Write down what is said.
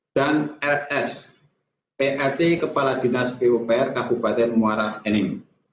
dan rs prt kepala dinas pupr kabupaten muara enim